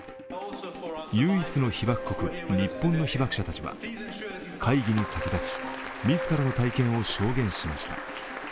唯一の被爆国、日本の被爆者たちは会議に先立ち自らの体験を証言しました。